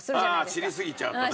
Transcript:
ああ知りすぎちゃうとね。